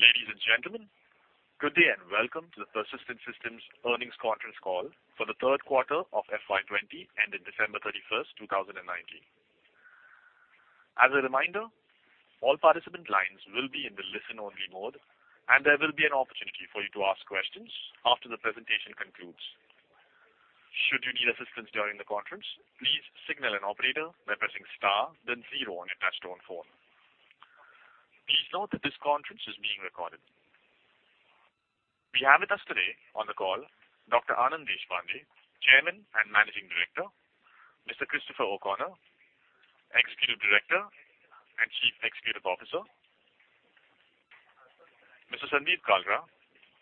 Ladies and gentlemen, good day and welcome to the Persistent Systems earnings conference call for the third quarter of FY 2020, ending December 31, 2019. As a reminder, all participant lines will be in the listen-only mode, and there will be an opportunity for you to ask questions after the presentation concludes. Should you need assistance during the conference, please signal an operator by pressing star then zero on your touch-tone phone. Please note that this conference is being recorded. We have with us today on the call Dr. Anand Deshpande, Chairman and Managing Director; Mr. Christopher O'Connor, Executive Director and Chief Executive Officer; Mr. Sandeep Kalra,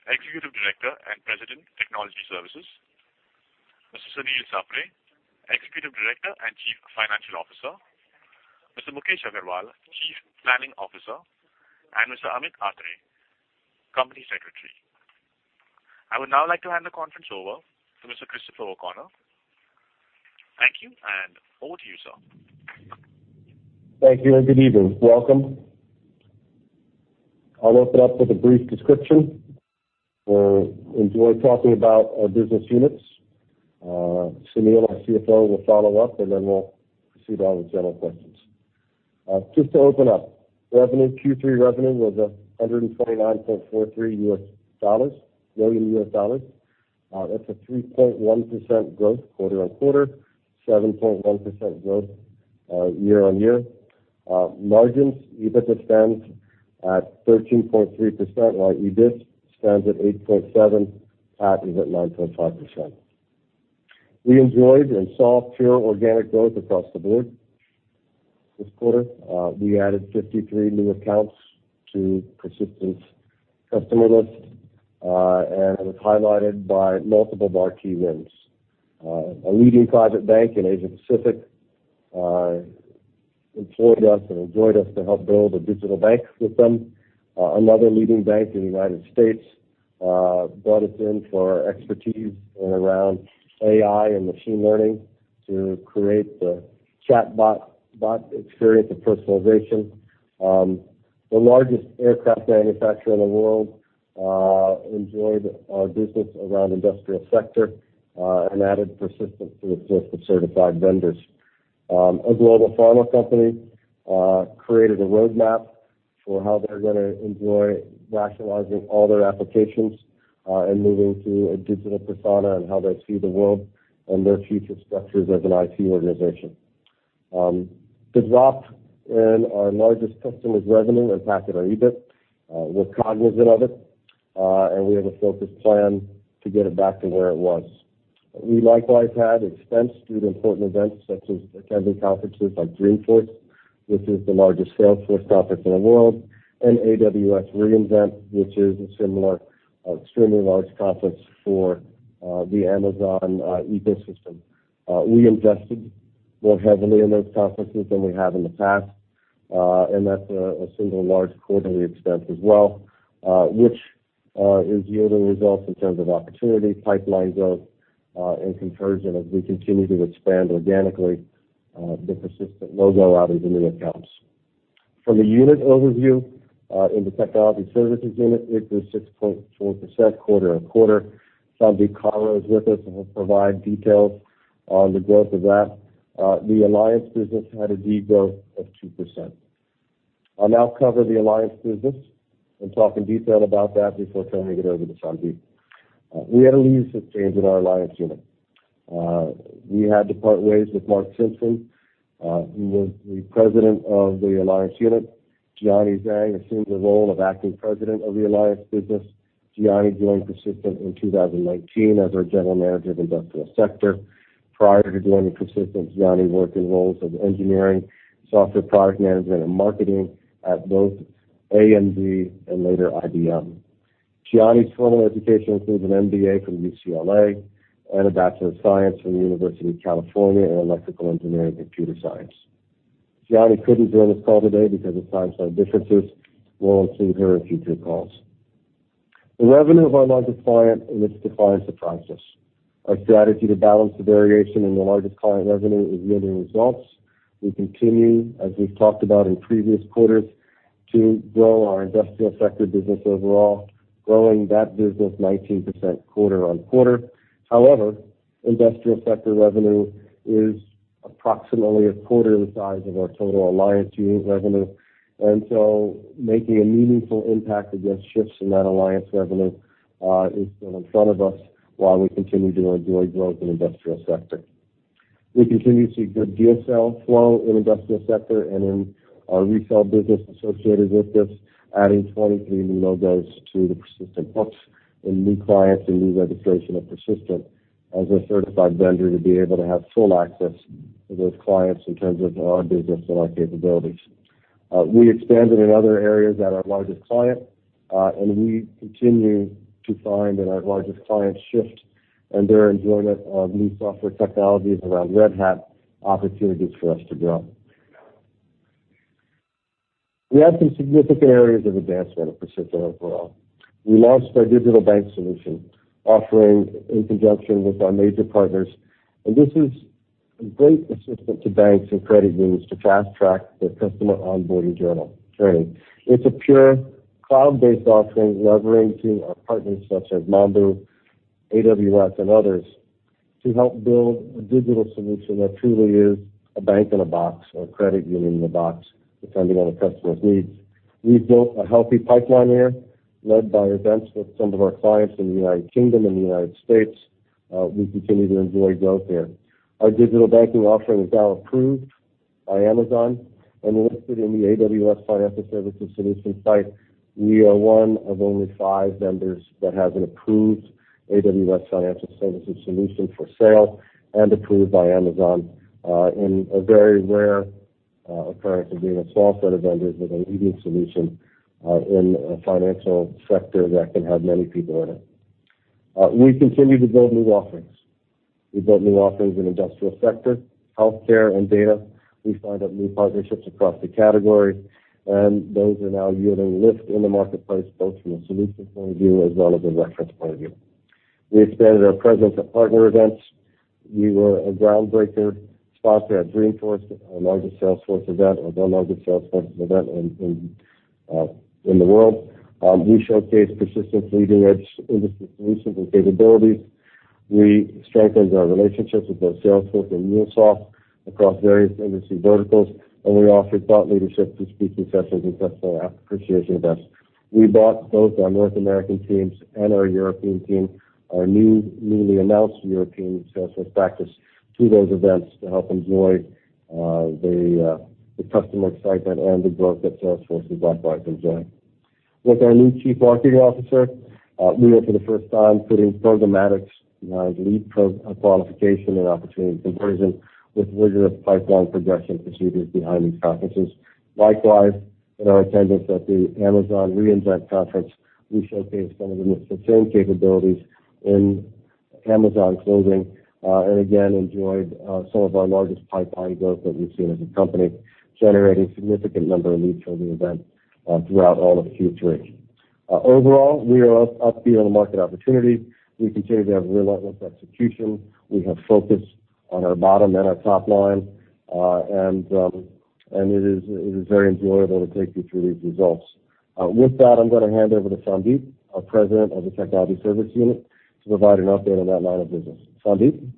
Executive Director and President, Technology Services; Mr. Sunil Sapre, Executive Director and Chief Financial Officer; Mr. Mukesh Agarwal, Chief Planning Officer; and Mr. Amit Atre, Company Secretary. I would now like to hand the conference over to Mr. Christopher O'Connor. Thank you. Over to you, sir. Thank you and good evening. Welcome. I'll open up with a brief description. We'll enjoy talking about our business units. Sunil, our CFO, will follow up, and then we'll proceed on with general questions. Just to open up. Revenue, Q3 revenue was $129.43 million. That's a 3.1% growth quarter-on-quarter, 7.1% growth year-on-year. Margins, EBITDA stands at 13.3%, while EBIT stands at 8.7%, PAT is at 9.5%. We enjoyed and saw pure organic growth across the board this quarter. We added 53 new accounts to Persistent customer list, and it was highlighted by multiple marquee wins. A leading private bank in Asia Pacific employed us and enjoyed us to help build a digital bank with them. Another leading bank in the U.S. brought us in for our expertise around AI and machine learning to create the chatbot experience and personalization. The largest aircraft manufacturer in the world enjoyed our business around industrial sector and added Persistent Systems to its list of certified vendors. A global pharma company created a roadmap for how they're going to enjoy rationalizing all their applications and moving to a digital persona and how they see the world and their future structures as an IT organization. The drop in our largest customer's revenue impacted our EBIT. We're cognizant of it, and we have a focused plan to get it back to where it was. We likewise had expense due to important events such as attending conferences like Dreamforce, which is the largest Salesforce conference in the world, and AWS experienced that, which is a similar extremely large conference for the Amazon ecosystem. We invested more heavily in those conferences than we have in the past, that's a single large quarterly expense as well, which is yielding results in terms of opportunity pipeline growth, and conversion as we continue to expand organically the Persistent logo out into new accounts. From the unit overview, in the technology services unit, it was 6.4% quarter-on-quarter. Sandeep Kalra is with us and will provide details on the growth of that. The Alliance business had a degrowth of 2%. I'll now cover the Alliance business and talk in detail about that before turning it over to Sandeep. We had a leadership change in our Alliance Unit. We had to part ways with Mark Simpson, who was the President of the Alliance Unit. Jiani Zhang assumed the role of Acting President of the Alliance business. Jiani joined Persistent in 2019 as our general manager of industrial sector. Prior to joining Persistent, Jiani worked in roles of engineering, software product management, and marketing at both AMD and later IBM. Jiani's formal education includes an MBA from UCLA and a Bachelor of Science from the University of California in electrical engineering and computer science. Jiani couldn't join this call today because of time zone differences. We'll include her in future calls. The revenue of our largest client and its declines surprised us. Our strategy to balance the variation in the largest client revenue is yielding results. We continue, as we've talked about in previous quarters, to grow our industrial sector business overall, growing that business 19% quarter-on-quarter. Industrial sector revenue is approximately a quarter of the size of our total Alliance Unit revenue. Making a meaningful impact against shifts in that Alliance Unit revenue is still in front of us while we continue to enjoy growth in industrial sector. We continue to see good DSO flow in industrial sector and in our resell business associated with this, adding 23 new logos to the Persistent books and new clients and new registration of Persistent as a certified vendor to be able to have full access to those clients in terms of our business and our capabilities. We expanded in other areas at our largest client. We continue to find that our largest client shift and their enjoyment of new software technologies around Red Hat opportunities for us to grow. We had some significant areas of advancement at Persistent overall. We launched our digital bank solution offering in conjunction with our major partners. This is a great assistant to banks and credit unions to fast-track their customer onboarding journey. It's a pure cloud-based offering leveraging our partners such as Mambu, AWS, and others to help build a digital solution that truly is a bank in a box or a credit union in a box, depending on a customer's needs. We've built a healthy pipeline here led by events with some of our clients in the U.K. and the U.S. We continue to enjoy growth there. Our digital banking offering is now approved by Amazon and listed in the AWS Financial Services solution site. We are one of only five vendors that has an approved AWS financial services solution for sale and approved by Amazon in a very rare occurrence of being a small set of vendors with a leading solution in a financial sector that can have many people in it. We continue to build new offerings. We built new offerings in industrial sector, healthcare, and data. We signed up new partnerships across the category, and those are now yielding lift in the marketplace, both from a solutions point of view as well as a reference point of view. We expanded our presence at partner events. We were a groundbreaker sponsor at Dreamforce, our largest Salesforce event, or their largest Salesforce event in the world. We showcased Persistent's leading-edge industry solutions and capabilities. We strengthened our relationships with both Salesforce and MuleSoft across various industry verticals, and we offered thought leadership through speaking sessions and customer appreciation events. We brought both our North American teams and our European team, our newly announced European Salesforce practice, to those events to help enjoy the customer excitement and the growth that Salesforce has brought by their journey. With our new chief marketing officer, we were for the first time putting programmatic lead qualification and opportunity conversion with rigorous pipeline progression procedures behind these conferences. Likewise, in our attendance at the Amazon re:Invent conference, we showcased some of the Mist Systems capabilities in Amazon cloud. Again, enjoyed some of our largest pipeline growth that we've seen as a company, generating significant number of leads from the event throughout all of Q3. Overall, we are upbeat on the market opportunity. We continue to have relentless execution. We have focus on our bottom and our top line. It is very enjoyable to take you through these results. With that, I'm going to hand over to Sandeep, our President of the Technology Services Unit, to provide an update on that line of business. Sandeep?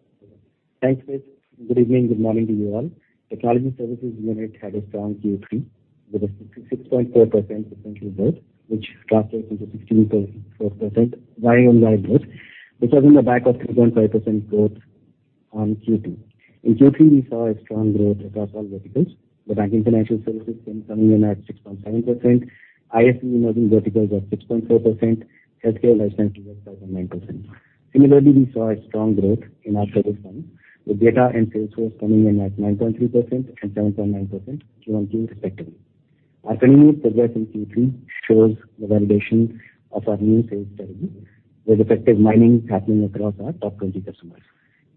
Thanks, Chris. Good evening, good morning to you all. Technology Services Unit had a strong Q3 with a 6.4% sequential growth, which translates into 15.4% Y-on-Y growth, which was on the back of 3.5% growth on Q2. In Q3, we saw a strong growth across all verticals. The Banking Financial Services came in at 6.7%. ISV and emerging verticals are 6.4%. Healthcare and life sciences are 7.9%. Similarly, we saw a strong growth in our service line, with data and Salesforce coming in at 9.3% and 7.9% Q-on-Q respectively. Our continued progress in Q3 shows the validation of our new sales strategy, with effective mining happening across our top 20 customers.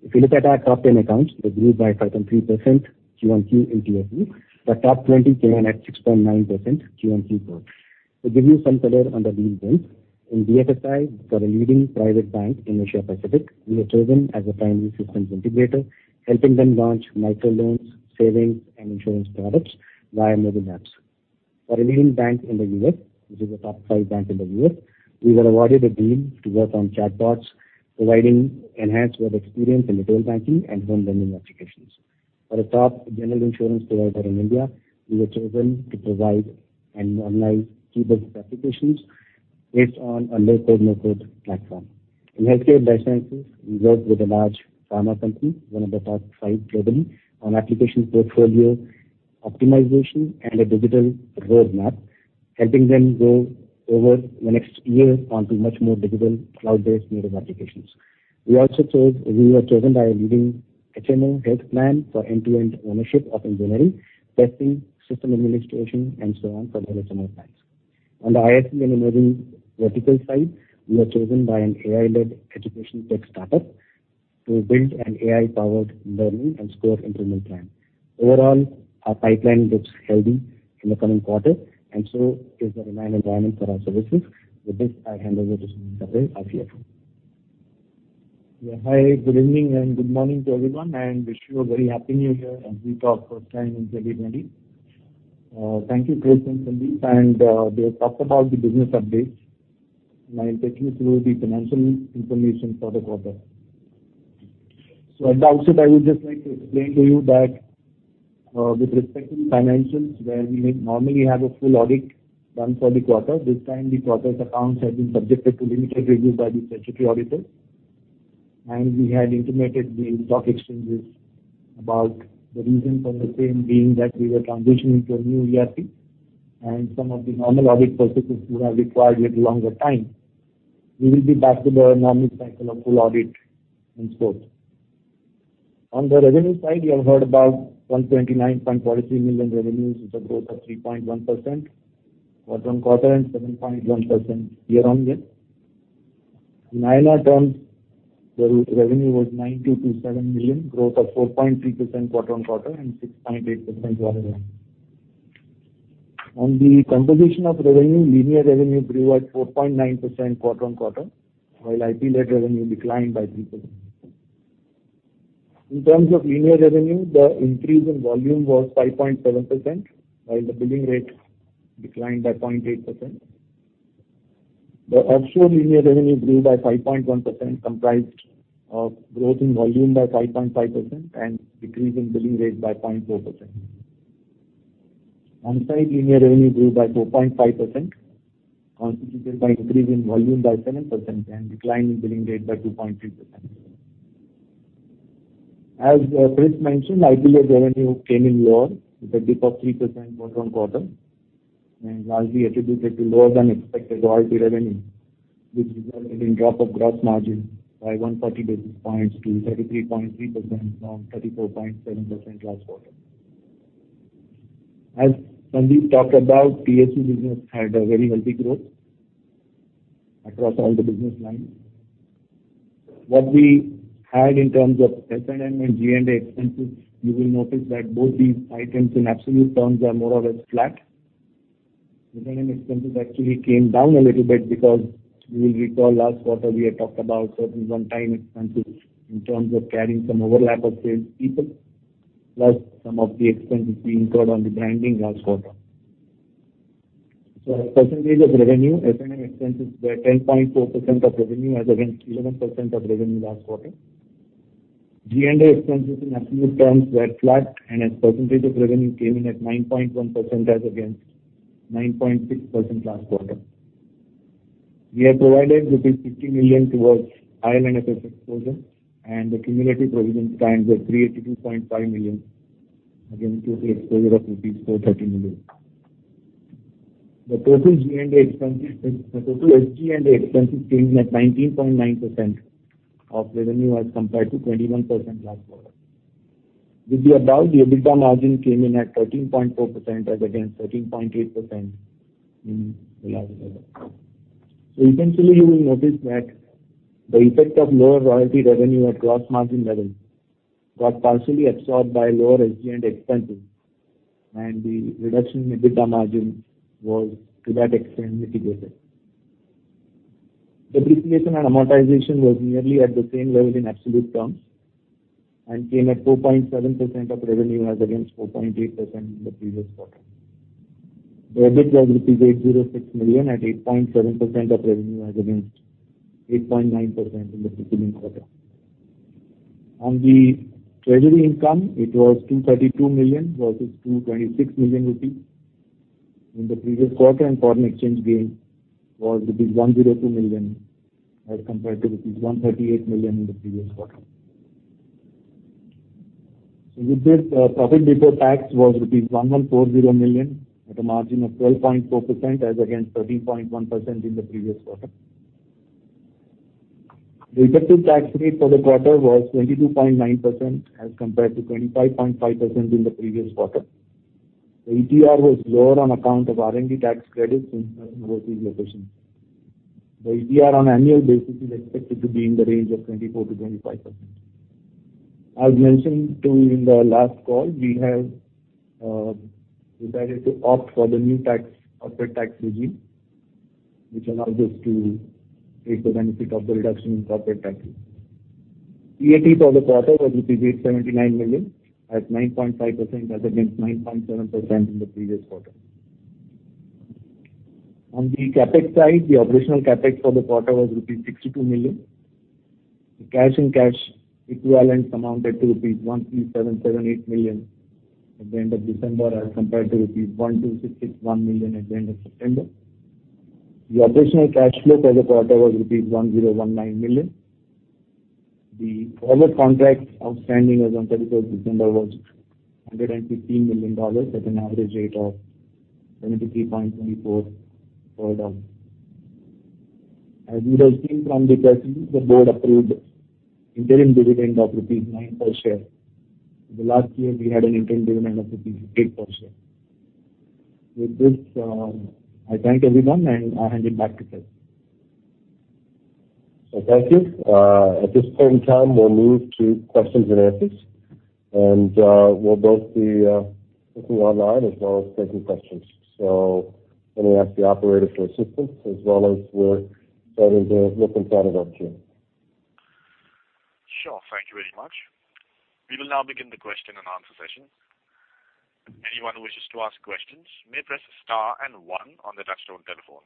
If you look at our top 10 accounts, they grew by 5.3% Q-on-Q in Q3. The top 20 came in at 6.9% Q-on-Q growth. To give you some color on the deals won. In BFSI, for a leading private bank in Asia Pacific, we were chosen as a primary systems integrator, helping them launch micro loans, savings, and insurance products via mobile apps. For a leading bank in the U.S., which is a top five bank in the U.S., we were awarded a deal to work on chatbots, providing enhanced web experience in retail banking, and home lending applications. For a top general insurance provider in India, we were chosen to provide and normalize key business applications based on a low-code/no-code platform. In healthcare and life sciences, we worked with a large pharma company, one of the top five globally, on application portfolio optimization and a digital roadmap, helping them go over the next years onto much more digital, cloud-based native applications. We were chosen by a leading HMO health plan for end-to-end ownership of engineering, testing, system administration, and so on for their HMO plans. On the ISV and emerging vertical side, we were chosen by an AI-led education tech startup to build an AI-powered learning and score improvement plan. Overall, our pipeline looks healthy in the coming quarter, and so is the demand environment for our services. With this, I hand over to Sunil Sapre, our CFO. Yeah. Hi, good evening and good morning to everyone, and wish you a very happy New Year as we talk first time in 2020. Thank you, Chris and Sandeep. They have talked about the business updates. Now I'll take you through the financial information for the quarter. At the outset, I would just like to explain to you that with respect to the financials, where we normally have a full audit done for the quarter, this time the quarter's accounts have been subjected to limited review by the statutory auditor. We had intimated the stock exchanges about the reason for the same being that we were transitioning to a new ERP, and some of the normal audit processes would have required a little longer time. We will be back to the normal cycle of full audit in scope. On the revenue side, you have heard about $129.43 million revenues, which is a growth of 3.1% quarter-on-quarter and 7.1% year-on-year. Non-GAAP terms, revenue was $92.7 million, growth of 4.3% quarter-on-quarter and 6.8% year-on-year. On the composition of revenue, linear revenue grew at 4.9% quarter-on-quarter, while IP-led revenue declined by 3%. In terms of linear revenue, the increase in volume was 5.7%, while the billing rate declined by 0.8%. The offshore linear revenue grew by 5.1%, comprised of growth in volume by 5.5% and decrease in billing rate by 0.4%. Onsite linear revenue grew by 4.5%, constituted by increase in volume by 7% and decline in billing rate by 2.3%. As Chris mentioned, IP-led revenue came in lower with a dip of 3% quarter-over-quarter, and largely attributed to lower than expected royalty revenue, which resulted in drop of gross margin by 140 basis points to 33.3% from 34.7% last quarter. As Sandeep talked about, TSE business had a very healthy growth across all the business lines. What we had in terms of S&A and G&A expenses, you will notice that both these items in absolute terms are more or less flat. S&A expenses actually came down a little bit because you will recall last quarter we had talked about certain one-time expenses in terms of carrying some overlap of sales people, plus some of the expenses we incurred on the branding last quarter. As a percentage of revenue, S&A expenses were 10.4% of revenue as against 11% of revenue last quarter. G&A expenses in absolute terms were flat and as percentage of revenue came in at 9.1% as against 9.6% last quarter. We have provided rupees 50 million towards IL&FS exposure, and the cumulative provisions stands at 382.5 million against an exposure of rupees 430 million. The total SG&A expenses came in at 19.9% of revenue as compared to 21% last quarter. With the above, the EBITDA margin came in at 13.4% as against 13.8% in the last quarter. Eventually you will notice that the effect of lower royalty revenue at gross margin level got partially absorbed by lower SG&A expenses, and the reduction in EBITDA margin was to that extent mitigated. Depreciation and amortization was nearly at the same level in absolute terms and came at 4.7% of revenue as against 4.8% in the previous quarter. The EBIT was rupees 806 million at 8.7% of revenue as against 8.9% in the preceding quarter. On the treasury income, it was 232 million versus 226 million rupees in the previous quarter. Foreign exchange gain was rupees 102 million as compared to rupees 138 million in the previous quarter. With this, profit before tax was rupees 1,140 million at a margin of 12.4% as against 13.1% in the previous quarter. The effective tax rate for the quarter was 22.9% as compared to 25.5% in the previous quarter. The ETR was lower on account of R&D tax credits in certain overseas locations. The ETR on annual basis is expected to be in the range of 24%-25%. As mentioned to you in the last call, we have decided to opt for the new corporate tax regime, which allows us to take the benefit of the reduction in corporate taxes. PAT for the quarter was 879 million at 9.5% as against 9.7% in the previous quarter. On the CapEx side, the operational CapEx for the quarter was rupees 62 million. The cash and cash equivalents amounted to rupees 1,3778 million at the end of December as compared to rupees 1,261 million at the end of September. The operational cash flow for the quarter was rupees 1,019 million. The order contracts outstanding as on 31st December was $150 million at an average rate of 73.24 per dollar. As you would have seen from the press release, the board approved interim dividend of rupees 9 per share. In the last year, we had an interim dividend of INR eight per share. With this, I thank everyone, and I hand it back to Chris. Thank you. At this point in time, we'll move to questions and answers, and we'll both be looking online as well as taking questions. Let me ask the operator for assistance as well as we're starting to look inside of our team. Sure. Thank you very much. We will now begin the question and answer session. Anyone who wishes to ask questions may press star and one on the touchtone telephone.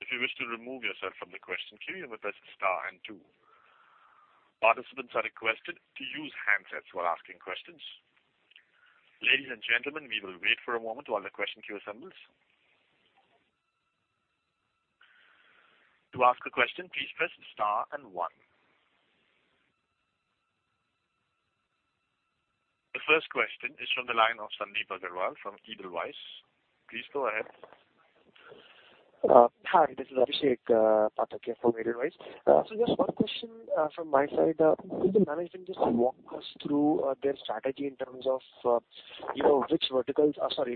If you wish to remove yourself from the question queue, you may press star and two. Participants are requested to use handsets while asking questions. Ladies and gentlemen, we will wait for a moment while the question queue assembles. To ask a question, please press star and one. The first question is from the line of Sandeep Agarwal from Edelweiss. Please go ahead. Hi, this is Abhishek Pathak here from Edelweiss. Just one question from my side. Could the management just walk us through their strategy in terms of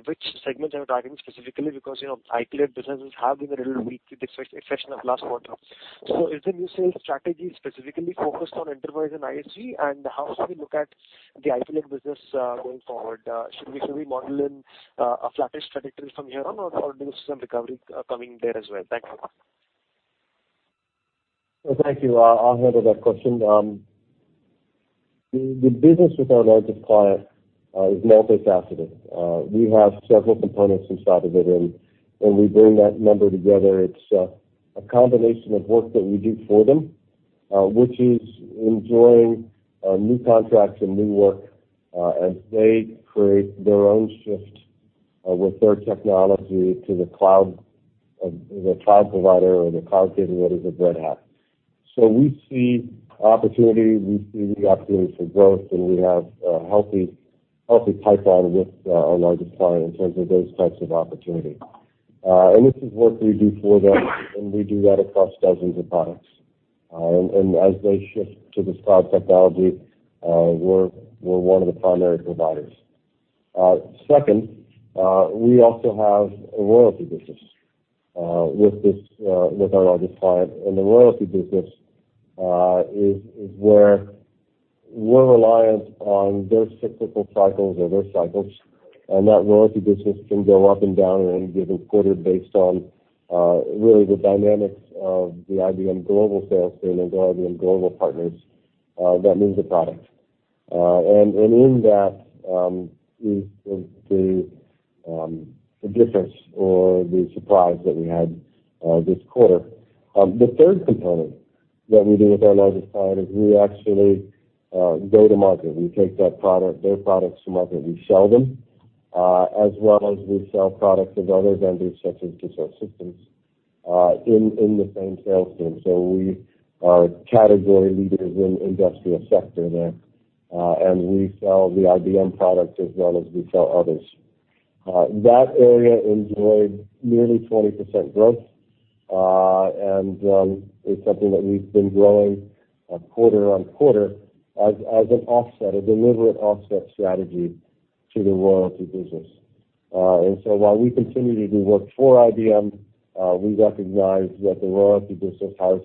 which segments you are targeting specifically because IP-led businesses have been a little weak with the exception of last quarter. Is the new sales strategy specifically focused on enterprise and ISV and how should we look at the IP-led business going forward? Should we model in a flattish trajectory from here on or do you see some recovery coming there as well? Thank you. Thank you. I'll handle that question. The business with our largest client is multifaceted. We have several components inside of it, and when we bring that number together, it's a combination of work that we do for them, which is enjoying new contracts and new work as they create their own shift with their technology to the cloud provider or the cloud capability with Red Hat. We see opportunity, we see the opportunity for growth, and we have a healthy pipeline with our largest client in terms of those types of opportunity. This is work we do for them, and we do that across dozens of products. As they shift to this cloud technology, we're one of the primary providers. Second, we also have a royalty business with our largest client. The royalty business is where we're reliant on their cyclical cycles or their cycles, and that royalty business can go up and down in any given quarter based on really the dynamics of the IBM global sales team and the IBM global partners that move the product. In that is the difference or the surprise that we had this quarter. The third component that we do with our largest client is we actually go to market. We take their products to market. We sell them as well as we sell products of other vendors such as Systems in the same sales team. We are category leaders in industrial sector there, and we sell the IBM product as well as we sell others. That area enjoyed nearly 20% growth, and it's something that we've been growing quarter-on-quarter as a deliberate offset strategy to the royalty business. While we continue to do work for IBM, we recognize that the royalty business has,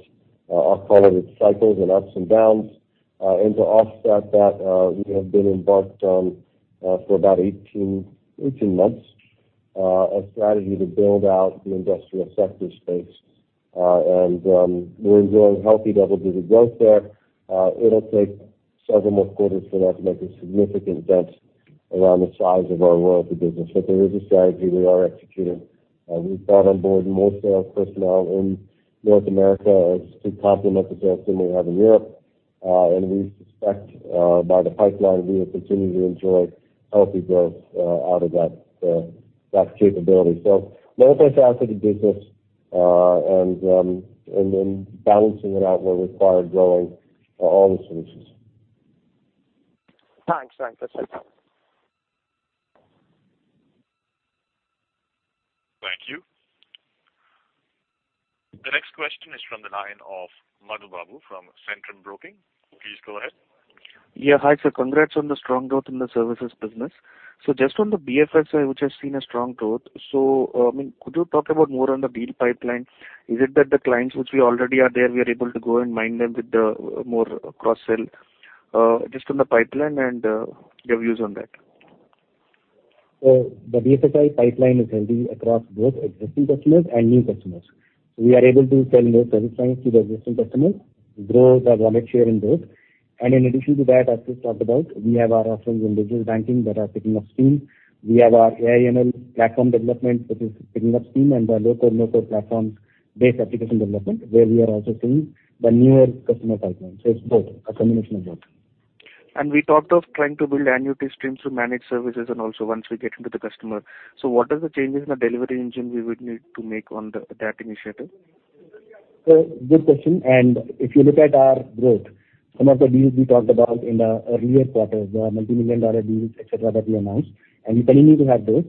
I'll call it its cycles and ups and downs. To offset that, we have been embarked on, for about 18 months, a strategy to build out the industrial sector space. We're enjoying healthy double-digit growth there. It'll take several more quarters for that to make a significant dent around the size of our royalty business. There is a strategy we are executing. We've brought on board more sales personnel in North America to complement the sales team we have in Europe. We suspect, by the pipeline, we will continue to enjoy healthy growth out of that capability. Multifaceted business and then balancing it out will require growing all the solutions. Thanks. That's it. Thank you. The next question is from the line of Madhu Babu from Centrum Broking. Please go ahead. Yeah. Hi, sir. Congrats on the strong growth in the services business. Just on the BFSI, which has seen a strong growth. Could you talk about more on the deal pipeline? Is it that the clients which we already are there, we are able to go and mine them with the more cross-sell just on the pipeline and your views on that? The BFSI pipeline is healthy across both existing customers and new customers. We are able to sell more service lines to the existing customers, grow the wallet share in both. In addition to that, as we talked about, we have our offerings in digital banking that are picking up steam. We have our AI/ML platform development, which is picking up steam, and our low-code, no-code platforms-based application development, where we are also seeing the newer customer pipeline. It's both, a combination of both. We talked of trying to build annuity streams through managed services and also once we get into the customer. What are the changes in the delivery engine we would need to make on that initiative? Sir, good question. If you look at our growth, some of the deals we talked about in the earlier quarters, the multi-million dollar deals, et cetera, that we announced, and we continue to have those.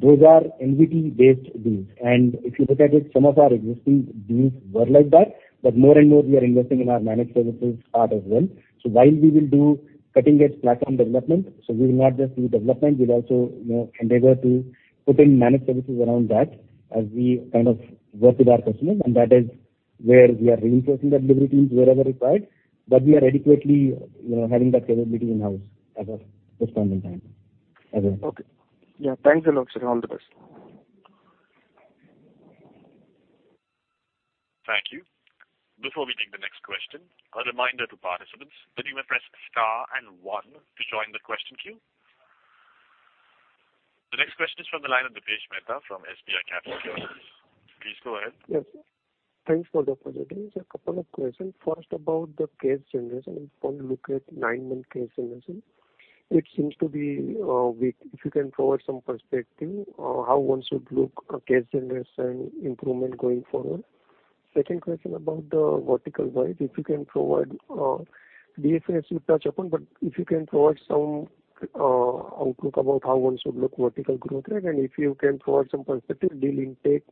Those are NBT-based deals. If you look at it, some of our existing deals were like that, but more and more, we are investing in our managed services part as well. While we will do cutting-edge platform development, so we will not just do development, we'll also endeavor to put in managed services around that as we work with our customers, and that is where we are reinforcing the delivery teams wherever required. We are adequately having that capability in-house at this point in time as well. Okay. Yeah. Thanks a lot, sir. All the best. Thank you. Before we take the next question, a reminder to participants that you may press star and one to join the question queue. The next question is from the line of Deepesh Mehta from SBI Capital Markets. Please go ahead. Yes. Thanks for the opportunity. Just a couple of questions. First, about the cash generation, if we look at nine-month cash generation, it seems to be weak. If you can provide some perspective on how one should look at cash generation improvement going forward. Second question about the vertical guides. BFSI you touched upon, if you can provide some outlook about how one should look vertical growth rate and if you can provide some perspective deal intake.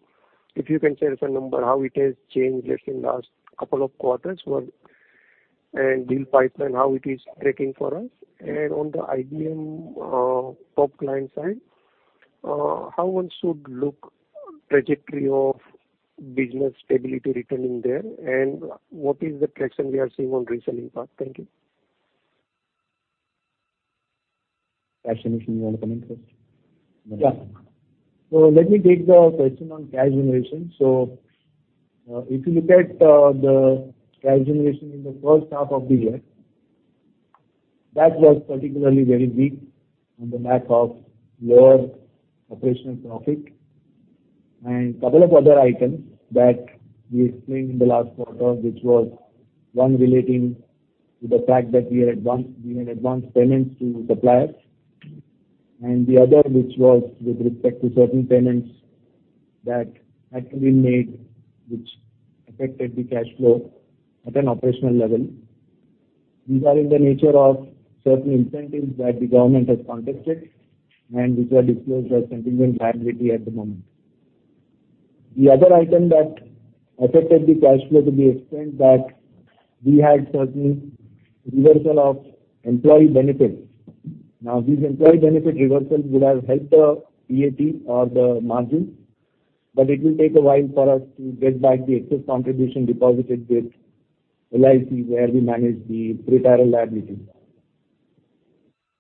If you can share us a number, how it has changed in last couple of quarters, and deal pipeline, how it is tracking for us. On the IBM top line side, how one should look trajectory of business stability returning there, and what is the traction we are seeing on reselling part? Thank you. Cash generation, you want to come in first? Yeah. Let me take the question on cash generation. If you look at the cash generation in the first half of the year, that was particularly very weak on the back of lower operational profit and couple of other items that we explained in the last quarter. Which was one relating to the fact that we had advanced payments to suppliers, and the other which was with respect to certain payments that had to be made, which affected the cash flow at an operational level. These are in the nature of certain incentives that the government has contested and which are disclosed as contingent liability at the moment. The other item that affected the cash flow to the extent that we had certain reversal of employee benefits. These employee benefit reversals would have helped the PAT or the margin, but it will take a while for us to get back the excess contribution deposited with LIC where we manage the retirement liability.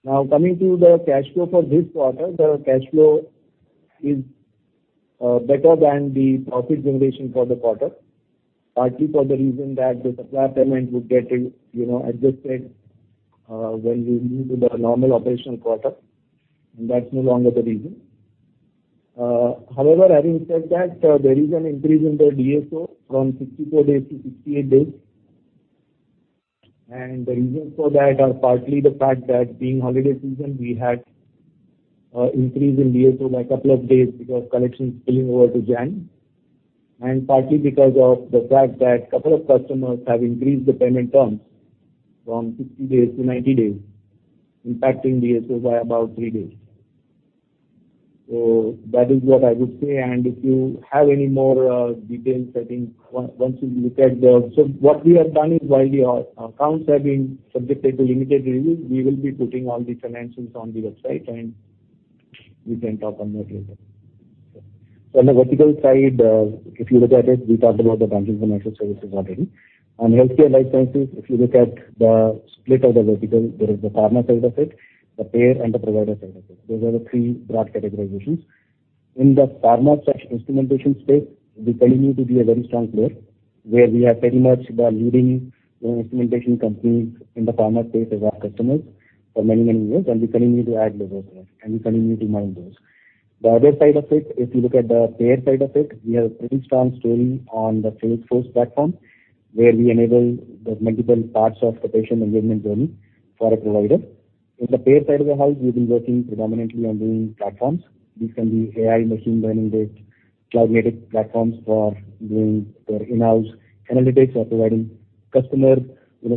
Coming to the cash flow for this quarter. The cash flow is better than the profit generation for the quarter, partly for the reason that the supplier payment would get adjusted when we move to the normal operational quarter, and that's no longer the reason. Having said that, there is an increase in the DSO from 64 days to 68 days. The reasons for that are partly the fact that being holiday season, we had increase in DSO by a couple of days because collections spilling over to January. Partly because of the fact that couple of customers have increased the payment terms from 60 days to 90 days, impacting DSOs by about three days. That is what I would say. If you have any more details, I think once you look at what we have done is while the accounts are being subjected to limited review, we will be putting all the financials on the website and we can talk on that later. On the vertical side, if you look at it, we talked about the banking financial services already. On healthcare and life sciences, if you look at the split of the vertical, there is the pharma side of it, the payer and the provider side of it. Those are the three broad categorizations. In the pharma/instrumentation space, we continue to be a very strong player, where we have pretty much the leading instrumentation companies in the pharma space as our customers for many, many years, and we continue to add those and we continue to mind those. The other side of it, if you look at the payer side of it, we have a pretty strong story on the Salesforce platform, where we enable the multiple parts of the patient engagement journey for a provider. In the payer side of the house, we've been working predominantly on building platforms. These can be AI, machine learning-based, cloud-native platforms for doing their in-house analytics or providing customer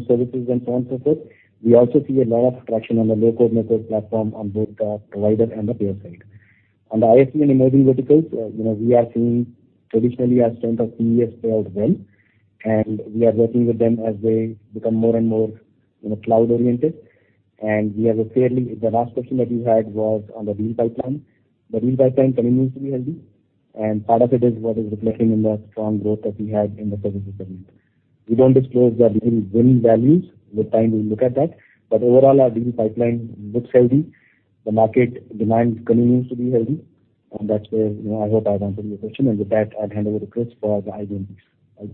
services and so on, so forth. We also see a lot of traction on the low-code, no-code platform on both the provider and the payer side. On the ISV and emerging verticals, we are seeing traditionally our strength of CE/CLM play out well. We are working with them as they become more and more cloud-oriented. The last question that you had was on the deal pipeline. The deal pipeline continues to be healthy. Part of it is what is reflecting in the strong growth that we had in the services segment. We don't disclose the deal win values. With time, we'll look at that. Overall, our deal pipeline looks healthy. The market demand continues to be healthy. That's where, I hope I've answered your question. With that, I'll hand over to Chris for the IBM piece.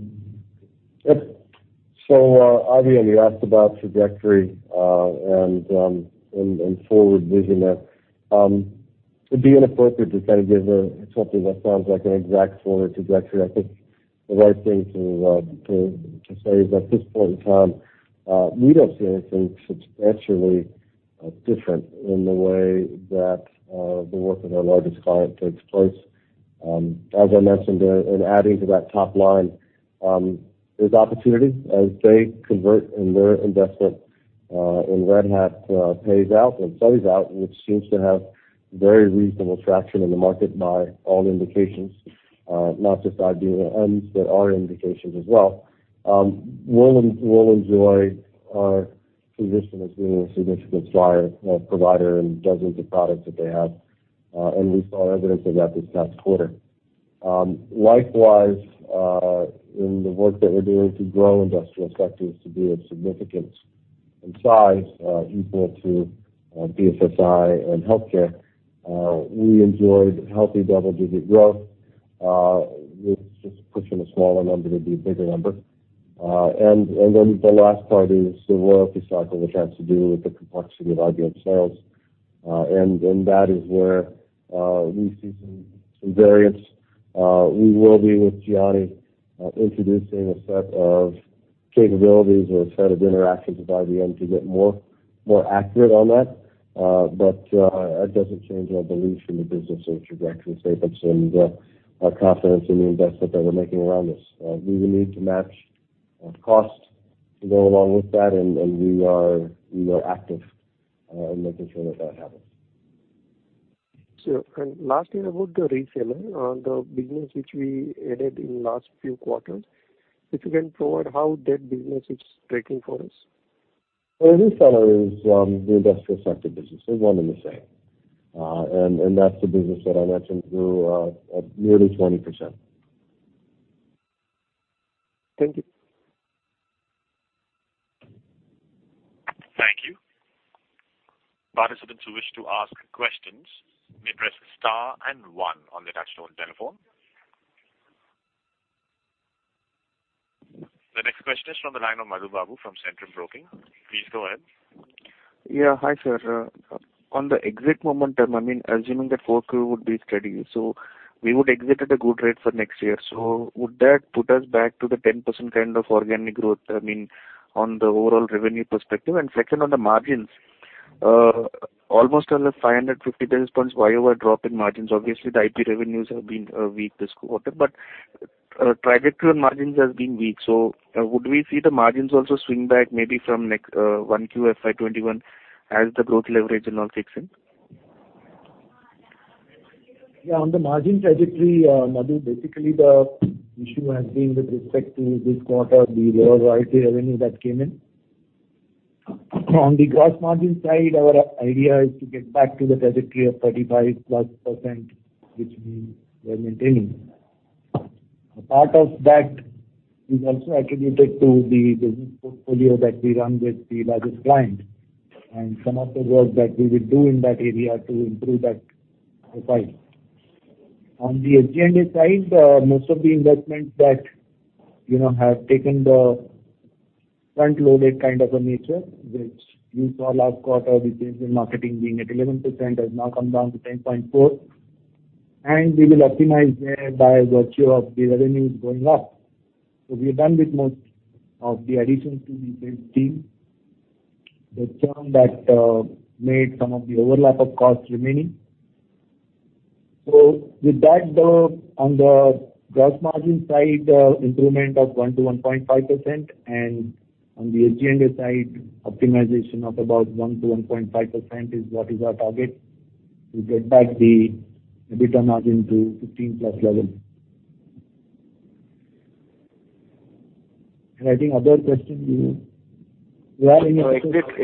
Yep. Abhi, and you asked about trajectory, and forward vision there. It'd be inappropriate to kind of give something that sounds like an exact forward trajectory. I think the right thing to say is, at this point in time, we don't see anything substantially different in the way that the work of our largest client takes place. As I mentioned, in adding to that top line, there's opportunities as they convert and their investment in Red Hat pays out and studies out, which seems to have very reasonable traction in the market by all indications. Not just IBM's, but our indications as well. We'll enjoy our position as being a significant supplier, provider in dozens of products that they have. We saw evidence of that this past quarter. Likewise, in the work that we're doing to grow industrial sectors to be of significance in size, equal to BFSI and healthcare. We enjoyed healthy double-digit growth. It's just pushing a smaller number to be a bigger number. The last part is the royalty cycle, which has to do with the complexity of IBM sales. That is where we see some variance. We will be, with Jiani, introducing a set of capabilities or a set of interactions with IBM to get more accurate on that. That doesn't change our belief in the business or trajectory statements and our confidence in the investment that we're making around this. We will need to match cost to go along with that, and we are active in making sure that happens. Sure. Lastly, about the reseller, the business which we added in last few quarters. If you can provide how that business is tracking for us. Refiller is the industrial sector business. They're one and the same. That's the business that I mentioned grew at nearly 20%. Thank you. Thank you. Participants who wish to ask questions may press star and one on their touch-tone telephone. The next question is from the line of Madhu Babu from Centrum Broking. Please go ahead. Yeah. Hi, sir. On the exit momentum, I'm assuming that quarter would be steady, so we would exit at a good rate for next year. Would that put us back to the 10% kind of organic growth on the overall revenue perspective and second on the margins, almost a 550 basis points year-over-year drop in margins. Obviously, the IP revenues have been weak this quarter, but trajectory on margins has been weak. Would we see the margins also swing back maybe from 1Q FY 2021 as the growth leverage and all kicks in? Yeah. On the margin trajectory, Madhu, basically the issue has been with respect to this quarter, the lower royalty revenue that came in. On the gross margin side, our idea is to get back to the trajectory of 35%+, which we were maintaining. A part of that is also attributed to the business portfolio that we run with the largest client and some of the work that we will do in that area to improve that profile. On the SG&A side, most of the investments that have taken the front-loaded kind of a nature, which you saw last quarter with sales and marketing being at 11%, has now come down to 10.4%, and we will optimize there by virtue of the revenues going up. We're done with most of the additions to the sales team, the churn that made some of the overlap of costs remaining. With that, on the gross margin side, improvement of 1% to 1.5%, and on the SG&A side, optimization of about 1% to 1.5% is what is our target to get back the EBITDA margin to 15-plus level.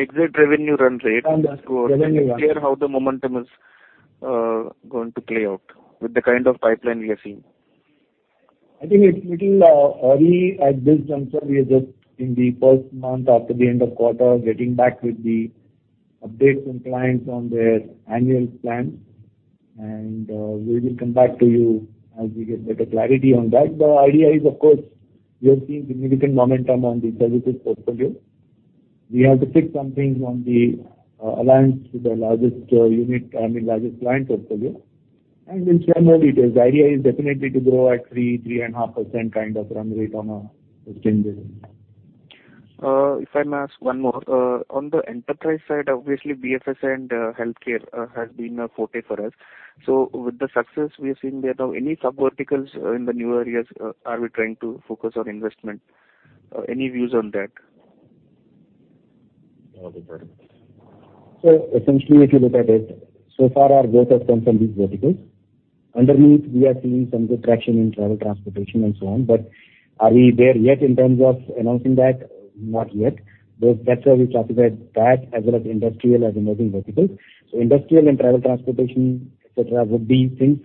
Exit revenue run rate. On the revenue run rate. Can you share how the momentum is going to play out with the kind of pipeline we are seeing? I think it's little early at this juncture. We are just in the first month after the end of quarter, getting back with the updates from clients on their annual plans, we will come back to you as we get better clarity on that. The idea is, of course, we are seeing significant momentum on the services portfolio. We have to fix some things on the alliance with the largest unit, I mean largest client portfolio. In general, it is the idea is definitely to grow at three and half percent kind of run rate on a sustained basis. If I may ask one more. On the enterprise side, obviously BFS and healthcare has been a forte for us. With the success we are seeing there now, any sub verticals in the newer areas are we trying to focus on investment? Any views on that? I'll be part of this. Essentially, if you look at it, so far our growth has come from these verticals. Underneath, we are seeing some good traction in travel transportation and so on, but are we there yet in terms of announcing that? Not yet. That is why we classified that as well as industrial as emerging verticals. Industrial and travel transportation, et cetera, would be things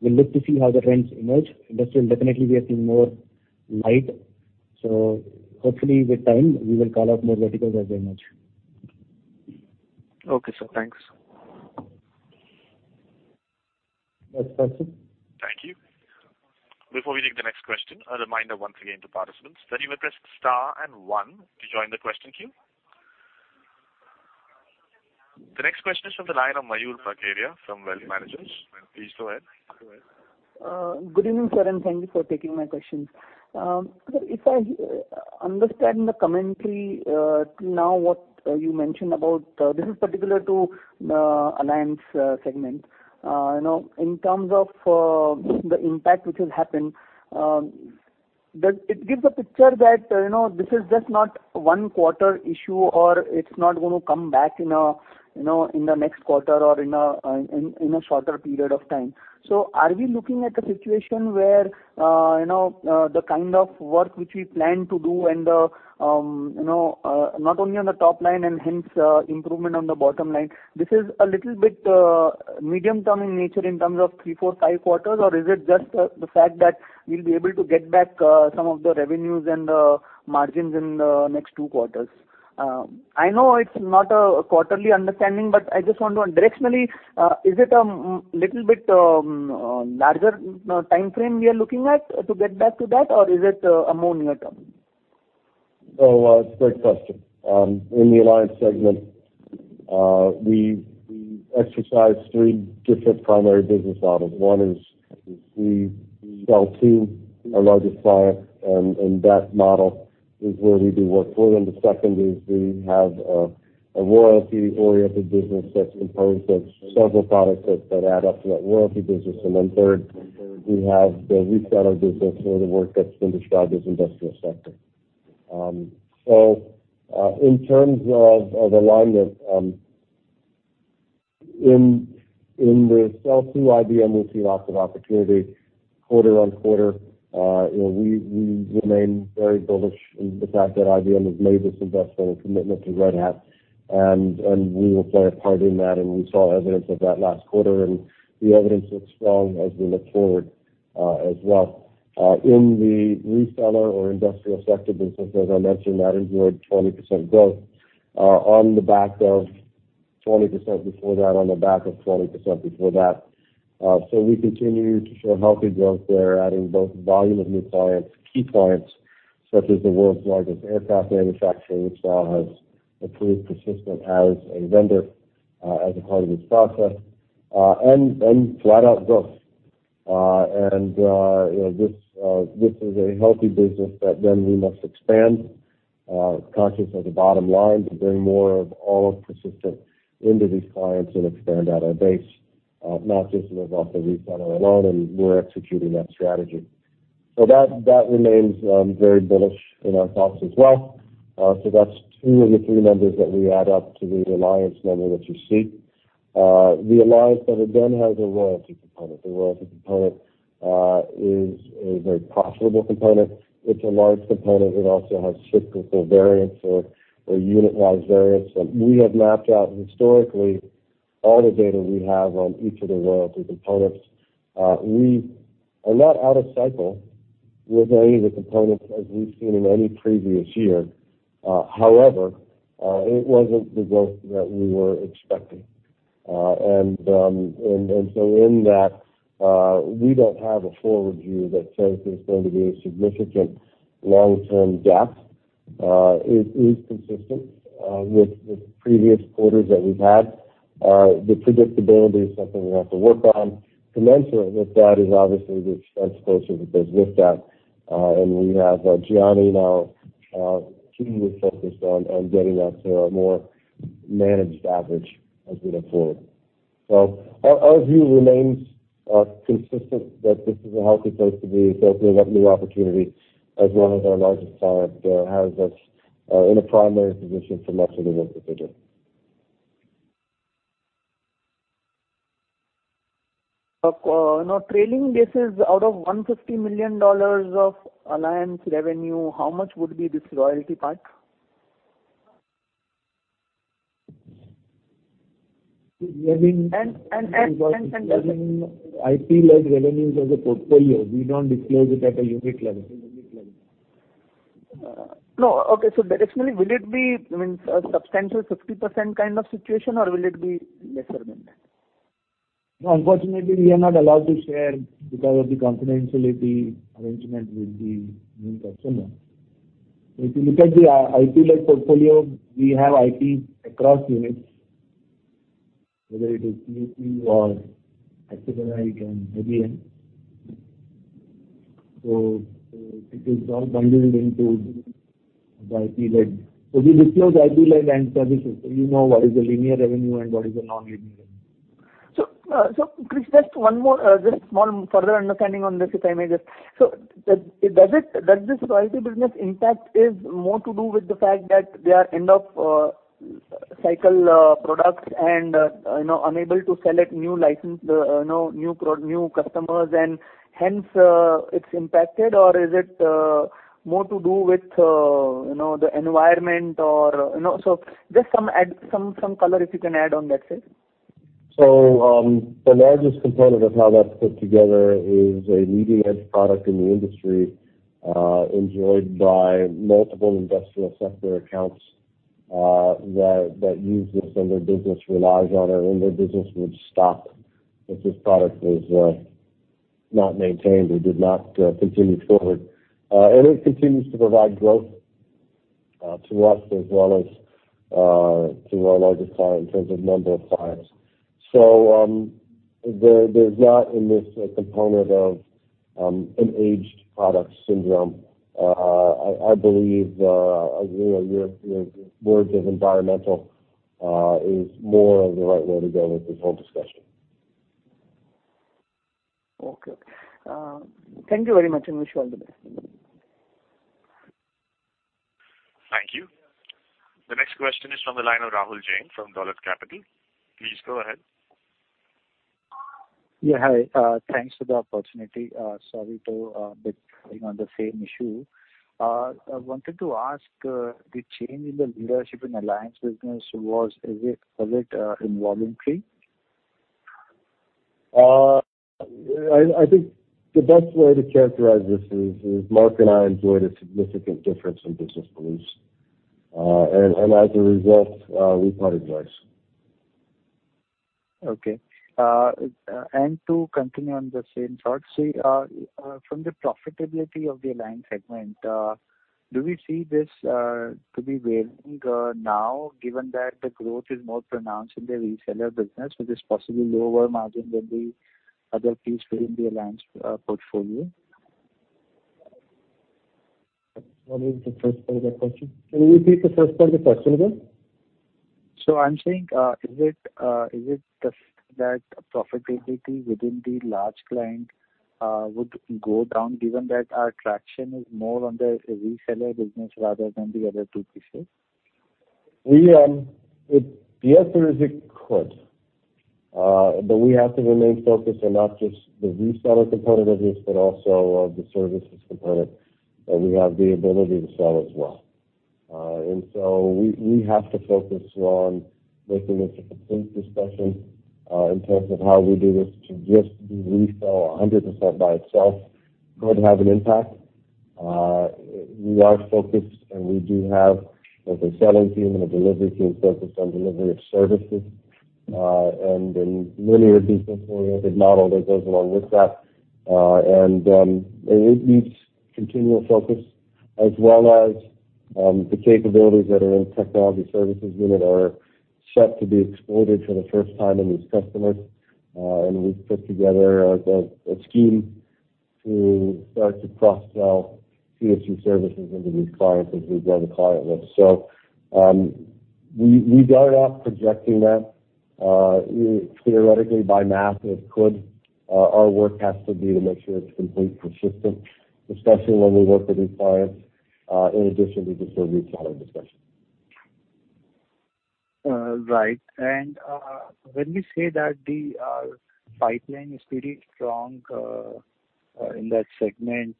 we will look to see how the trends emerge. Industrial definitely we are seeing more light. Hopefully with time, we will call out more verticals as they emerge. Okay, sir. Thanks. Next question. Thank you. Before we take the next question, a reminder once again to participants that you may press star and one to join the question queue. The next question is from the line of Mayur Parkeria from Wealth Managers. Please go ahead. Good evening, sir. Thank you for taking my questions. Sir, if I understand the commentary till now what you mentioned about this is particular to the alliance segment. In terms of the impact which has happened, it gives a picture that this is just not one quarter issue or it's not going to come back in the next quarter or in a shorter period of time. Are we looking at a situation where the kind of work which we plan to do and not only on the top line and hence improvement on the bottom line, this is a little bit medium-term in nature in terms of three, four, five quarters or is it just the fact that we'll be able to get back some of the revenues and the margins in the next two quarters? I know it's not a quarterly understanding, but I just want to directionally, is it a little bit larger timeframe we are looking at to get back to that or is it a more near-term? It's a great question. In the Alliance segment, we exercise three different primary business models. One is we sell to our largest client and that model is where we do work for them. The second is we have a royalty-oriented business that's composed of several products that add up to that royalty business. Third, we have the reseller business or the work that's been described as industrial sector. In terms of alignment, in the sell to IBM, we see lots of opportunity quarter on quarter. We remain very bullish in the fact that IBM has made this investment commitment to Red Hat, and we will play a part in that. We saw evidence of that last quarter, and the evidence looks strong as we look forward. As well. In the reseller or industrial sector business, as I mentioned, that enjoyed 20% growth on the back of 20% before that, on the back of 20% before that. We continue to show healthy growth there, adding both volume of new clients, key clients, such as the world's largest aircraft manufacturer, which now has approved Persistent as a vendor as a part of its process, and flat out growth. This is a healthy business that then we must expand, conscious of the bottom line, to bring more of all of Persistent into these clients and expand out our base, not just live off the reseller alone, and we're executing that strategy. That remains very bullish in our thoughts as well. That's two of the three members that we add up to the Alliance member that you see. The Alliance, however, then has a royalty component. The royalty component is a very profitable component. It's a large component. It also has cyclical variance or unitized variance. We have mapped out historically all the data we have on each of the royalty components. We are not out of cycle with any of the components as we've seen in any previous year. However, it wasn't the growth that we were expecting. In that, we don't have a forward view that says there's going to be a significant long-term gap. It is consistent with the previous quarters that we've had. The predictability is something we have to work on. Commensurate with that is obviously the expense culture that goes with that, and we have Jiani now keenly focused on getting us to a more managed average as we look forward. Our view remains consistent that this is a healthy place to be, filled with new opportunity, as one of our largest clients has us in a primary position for much of the work that they do. Trailing basis out of $150 million of Alliance revenue, how much would be this royalty part? We have been- And- Because IP-led revenues as a portfolio, we don't disclose it at a unit level. No. Okay. Directionally, will it be a substantial 50% kind of situation, or will it be lesser than that? No, unfortunately, we are not allowed to share because of the confidentiality arrangement with the main customer. If you look at the IP-led portfolio, we have IPs across units, whether it is CET or Accelerite and Heavy N. It is all bundled into the IP-led. We disclose IP-led and services, so you know what is the linear revenue and what is the non-linear revenue. Chris, just one more, small further understanding on this, if I may just. Does this royalty business impact is more to do with the fact that they are end-of-cycle products and unable to sell at new customers, and hence it's impacted? Or is it more to do with the environment? Just some color if you can add on that, sir. The largest component of how that's put together is a leading-edge product in the industry, enjoyed by multiple industrial sector accounts that use this and their business relies on it, and their business would stop if this product was not maintained or did not continue forward. It continues to provide growth to us as well as to our largest client in terms of number of clients. There's not in this a component of an aged product syndrome. I believe your words of environmental is more of the right way to go with this whole discussion. Okay. Thank you very much, and wish you all the best. Thank you. The next question is from the line of Rahul Jain from Dolat Capital. Please go ahead. Yeah. Hi. Thanks for the opportunity. Sorry to be coming on the same issue. I wanted to ask, the change in the leadership in Alliance business, was it involuntary? I think the best way to characterize this is, Mark and I enjoyed a significant difference in business beliefs. As a result, we parted ways. Okay. To continue on the same thoughts, from the profitability of the Alliance segment, do we see this to be waning now, given that the growth is more pronounced in the reseller business, which is possibly lower margin than the other pieces within the Alliance portfolio? What is the first part of that question? Can you repeat the first part of the question again? I'm saying, is it just that profitability within the large client would go down given that our traction is more under a reseller business rather than the other two pieces? Yes, it could. We have to remain focused on not just the reseller component of this, but also the services component that we have the ability to sell as well. We have to focus on making this a complete discussion in terms of how we do this to just do resell 100% by itself could have an impact. We are focused, and we do have both a selling team and a delivery team focused on delivery of services, and a linear business-oriented model that goes along with that. It needs continual focus as well as the capabilities that are in the Technology Services Unit are set to be exploited for the first time in these customers. We've put together a scheme to start to cross-sell TSU services into these clients as we grow the client list. We started off projecting that theoretically by math it could. Our work has to be to make sure it's complete and consistent, especially when we work with these clients. In addition, we just have a reseller discussion. Right. When we say that the pipeline is pretty strong in that segment,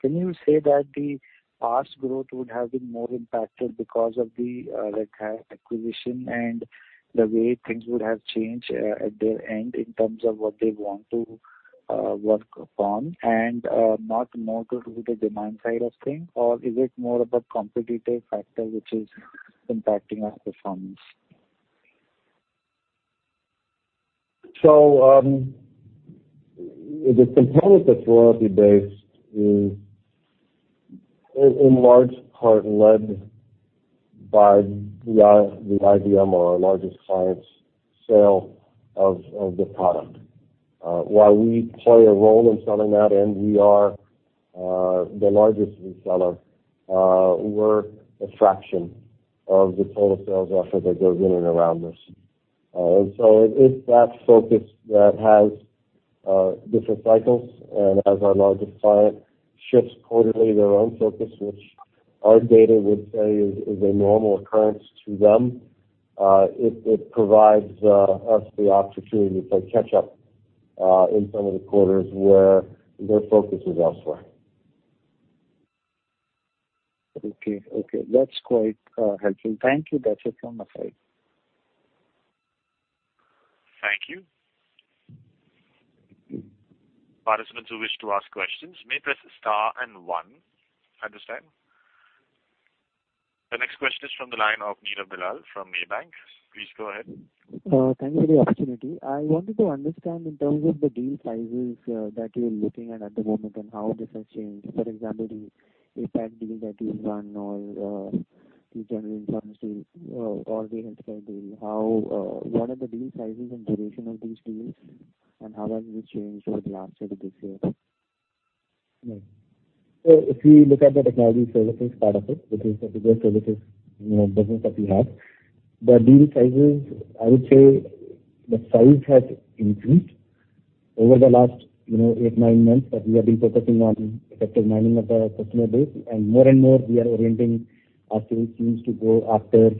can you say that the past growth would have been more impacted because of the Red Hat acquisition and the way things would have changed at their end in terms of what they want to work upon, and not more to do with the demand side of things? Or is it more of a competitive factor which is impacting our performance? The component that's royalty-based is in large part led by the IBM or our largest client's sale of the product. While we play a role in selling that end, we are the largest reseller. We're a fraction of the total sales effort that goes in and around this. It's that focus that has different cycles. As our largest client shifts quarterly their own focus, which our data would say is a normal occurrence to them, it provides us the opportunity to play catch up in some of the quarters where their focus is elsewhere. Okay. That's quite helpful. Thank you. That's it from my side. Thank you. Participants who wish to ask questions may press star and one at this time. The next question is from the line of Neeraj Bila from Maybank. Please go ahead. Thank you for the opportunity. I wanted to understand in terms of the deal sizes that you're looking at the moment and how this has changed. For example, the impact deal that you've done or the General Insurance deal or the Healthcare deal, what are the deal sizes and duration of these deals, and how has it changed over the last sort of this year? If we look at the technology services part of it, which is the biggest services business that we have, the deal sizes, I would say the size has increased over the last eight, nine months that we have been focusing on effective mining of our customer base. And more and more, we are orienting our sales teams to go after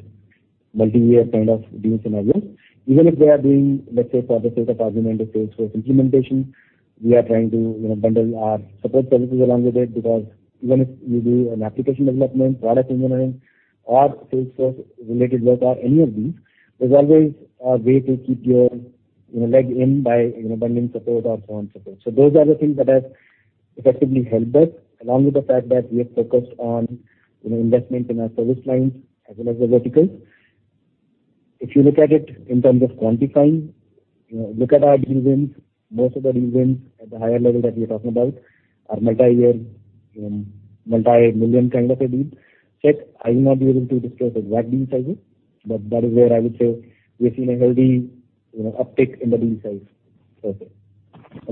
multi-year kind of deal scenarios. Even if they are doing, let's say for the sake of argument, a Salesforce implementation, we are trying to bundle our support services along with it, because even if you do an application development, product engineering or Salesforce-related work or any of these, there's always a way to keep your leg in by bundling support or front support. Those are the things that have effectively helped us, along with the fact that we are focused on investment in our service lines as well as the verticals. If you look at it in terms of quantifying, look at our deal wins. Most of the deal wins at the higher level that we are talking about are multi-year, multi-million kind of a deal set. I will not be able to discuss exact deal sizes, but that is where I would say we have seen a healthy uptick in the deal size. Okay.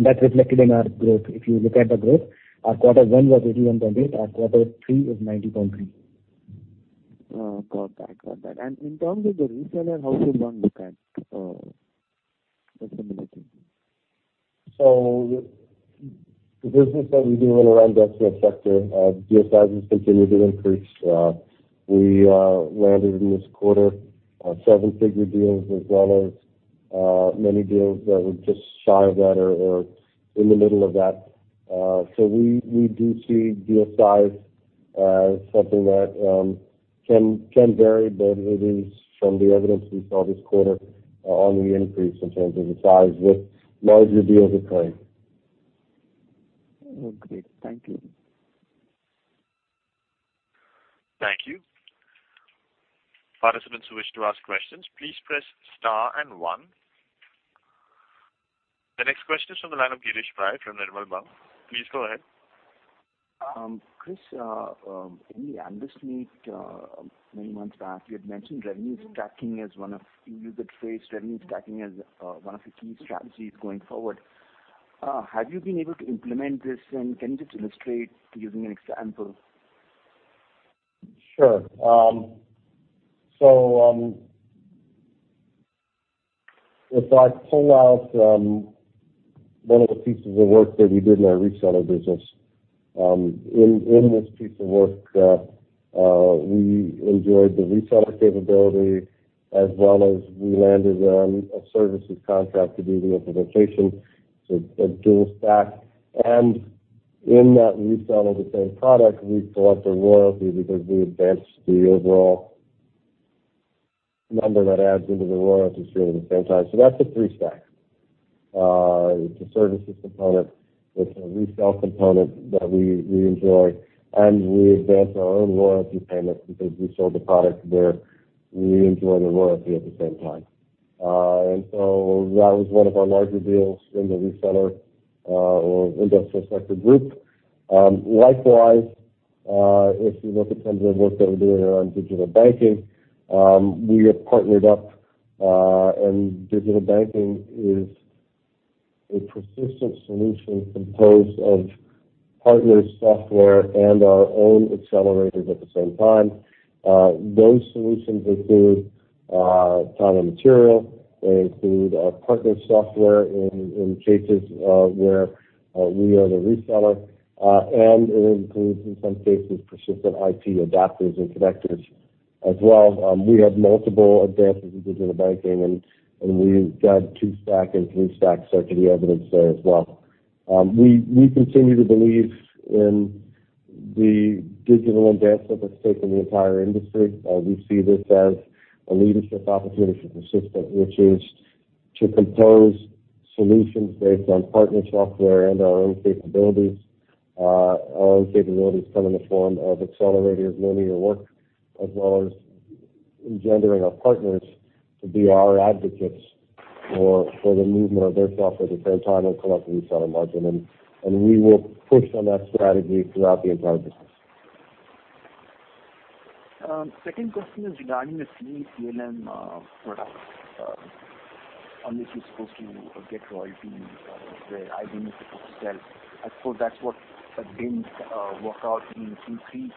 That's reflected in our growth. If you look at the growth, our quarter one was 81.8%, our quarter three is 90.3%. Got that. In terms of the reseller, how should one look at the stability? The business that we do in around the SME sector, deal sizes continue to increase. We landed in this quarter seven-figure deals as well as many deals that were just shy of that or in the middle of that. We do see deal size as something that can vary, but it is from the evidence we saw this quarter on the increase in terms of the size with larger deals occurring. Great. Thank you. Thank you. Participants who wish to ask questions, please press star and one. The next question is from the line of Girish Pai from Nirmal Bang. Please go ahead. Chris, in the analyst meet many months back, you used the phrase revenue stacking as one of the key strategies going forward. Have you been able to implement this, and can you just illustrate using an example? Sure. If I pull out one of the pieces of work that we did in our reseller business. In this piece of work, we enjoyed the reseller capability as well as we landed a services contract to do the implementation. A dual stack. In that resell of the same product, we collect a royalty because we advanced the overall number that adds into the royalty stream at the same time. That's a three-stack. It's a services component with a resell component that we enjoy, and we advance our own royalty payments because we sold the product there, we enjoy the royalty at the same time. That was one of our larger deals in the reseller or industrial sector group. Likewise, if you look at some of the work that we're doing around digital banking, we have partnered up and digital banking is a Persistent solution composed of partner software and our own accelerators at the same time. Those solutions include talent material, they include partner software in cases where we are the reseller, and it includes, in some cases, Persistent IP adapters and connectors as well. We have multiple advances in digital banking and we've got two-stack and three-stacks there to the evidence there as well. We continue to believe in the digital advance that's at stake in the entire industry. We see this as a leadership opportunity for Persistent, which is to compose solutions based on partner software and our own capabilities. Our own capabilities come in the form of accelerators, linear work, as well as engendering our partners to be our advocates for the movement of their software at the same time and collect reseller margin. We will push on that strategy throughout the entire business. Second question is regarding the CE/CLM product on which you're supposed to get royalties where IBM is supposed to sell. I suppose that's what didn't work out in Q3.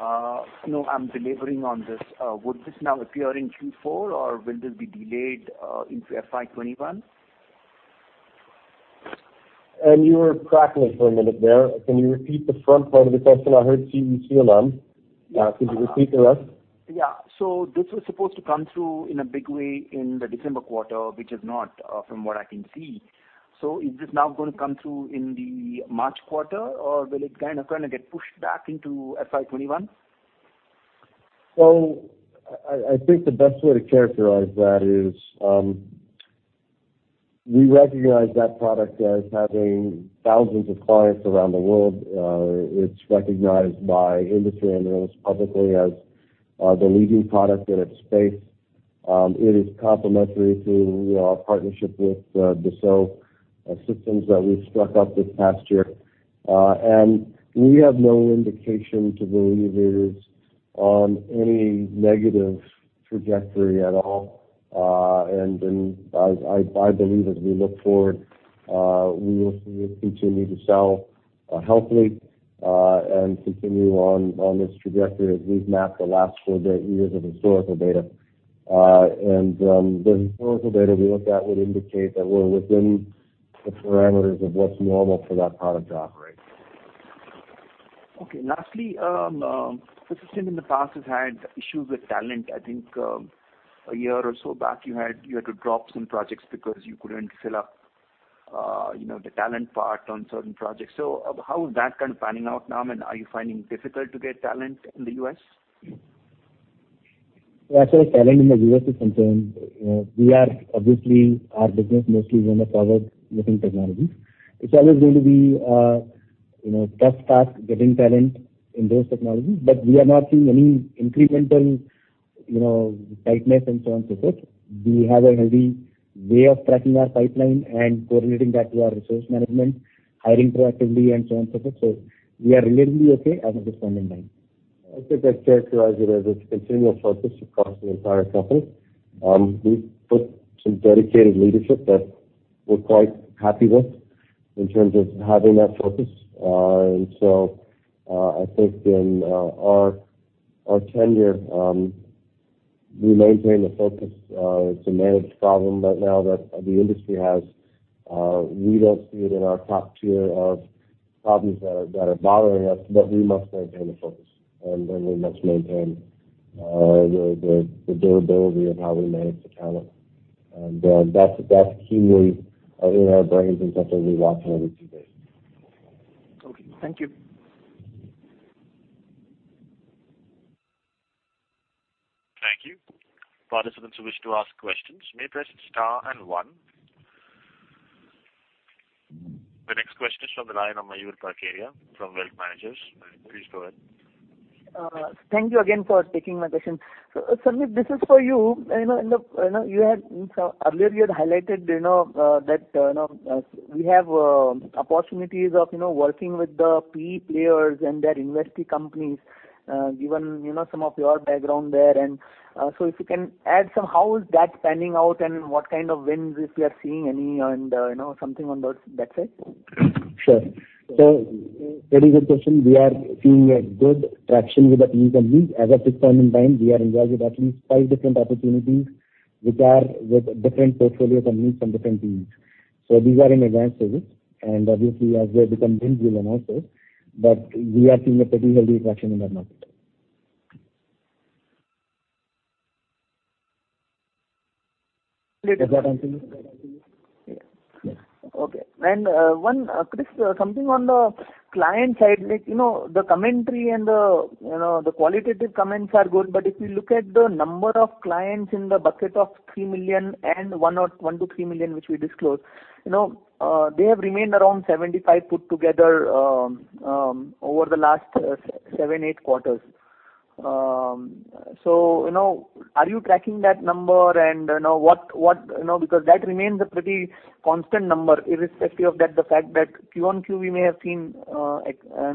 I'm deliberating on this. Would this now appear in Q4 or will this be delayed into FY 2021? You were cracking for a minute there. Can you repeat the front part of the question? I heard CE/CLM. Could you repeat the rest? Yeah. This was supposed to come through in a big way in the December quarter, which is not, from what I can see. Is this now going to come through in the March quarter or will it get pushed back into FY 2021? I think the best way to characterize that is, we recognize that product as having thousands of clients around the world. It's recognized by industry analysts publicly as the leading product in its space. It is complementary to our partnership with Dassault Systèmes that we've struck up this past year. We have no indication to believe it is on any negative trajectory at all. I believe as we look forward, we will continue to sell healthily and continue on this trajectory as we've mapped the last four years of historical data. The historical data we looked at would indicate that we're within the parameters of what's normal for that product to operate. Okay. Lastly, Persistent in the past has had issues with talent. I think a year or so back you had to drop some projects because you couldn't fill up the talent part on certain projects. How is that kind of panning out now and are you finding difficult to get talent in the U.S.? As far as talent in the U.S. is concerned, obviously our business mostly is on the forward-looking technologies. It's always going to be a tough task getting talent in those technologies, but we are not seeing any incremental tightness and so on, so forth. We have a healthy way of tracking our pipeline and correlating that to our resource management, hiring proactively and so on, so forth. We are relatively okay at this point in time. I think I'd characterize it as it's a continual focus across the entire company. We've put some dedicated leadership that we're quite happy with in terms of having that focus. I think in our tenure, we maintain the focus. It's a managed problem right now that the industry has. We don't see it in our top tier of problems that are bothering us, but we must maintain the focus and we must maintain the durability of how we manage the talent. That's keenly in our brains and something we watch on a weekly basis. Okay. Thank you. Thank you. Participants who wish to ask questions may press star and one. The next question is from the line of Mayur Parkeria from Wealth Managers. Please go ahead. Thank you again for taking my question. Sandeep, this is for you. Earlier you had highlighted that we have opportunities of working with the PE players and their investee companies, given some of your background there. If you can add some, how is that panning out and what kind of wins, if you are seeing any and something on that side? Sure. Very good question. We are seeing a good traction with the PE companies. As of this point in time, we are engaged with at least five different opportunities, which are with different portfolio companies from different PEs. These are in advanced stages and obviously as they become wins we'll announce those, but we are seeing a pretty healthy traction in that market. Is that answer you? Yeah. Yes. Okay. Chris, something on the client side, the commentary and the qualitative comments are good. If you look at the number of clients in the bucket of $3 million and $1 million-$3 million, which we disclosed. They have remained around 75 put together over the last seven, eight quarters. Are you tracking that number? Because that remains a pretty constant number, irrespective of the fact that Q1, Q2 may have seen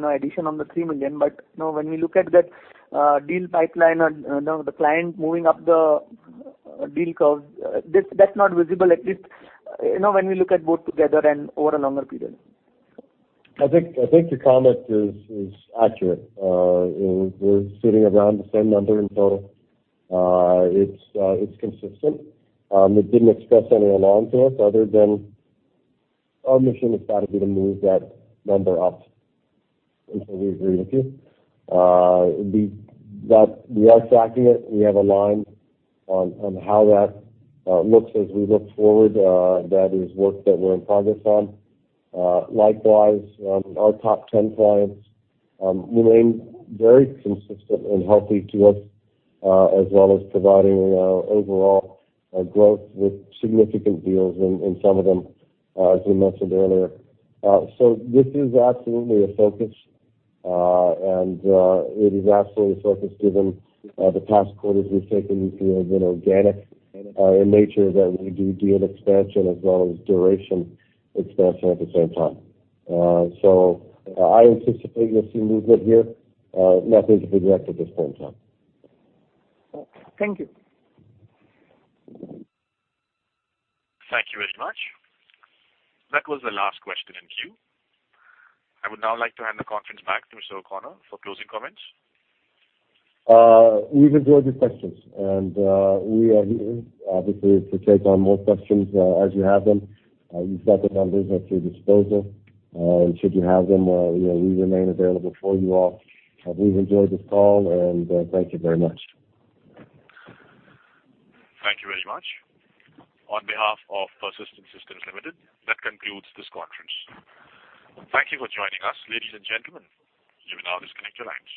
addition on the $3 million, when we look at that deal pipeline and the client moving up the deal curve, that's not visible, at least when we look at both together and over a longer period. I think your comment is accurate. We're sitting around the same number, and so it's consistent. It didn't express any alarm to us other than our mission is obviously to move that number up. We agree with you. We are tracking it. We have a line on how that looks as we look forward. That is work that we're in progress on. Likewise, our top 10 clients remain very consistent and healthy to us, as well as providing overall growth with significant deals in some of them, as we mentioned earlier. This is absolutely a focus, and it is absolutely a focus given the past quarters we've taken, which have been organic in nature, that we do deal expansion as well as duration expansion at the same time. I anticipate you'll see movement here, nothing to be worried at this point in time. Okay. Thank you. Thank you very much. That was the last question in queue. I would now like to hand the conference back to Mr. O'Connor for closing comments. We've enjoyed your questions, and we are here, obviously, to take on more questions as you have them. You've got the numbers at your disposal. Should you have them, we remain available for you all. We've enjoyed this call and thank you very much. Thank you very much. On behalf of Persistent Systems Limited, that concludes this conference. Thank you for joining us, ladies and gentlemen. You may now disconnect your lines.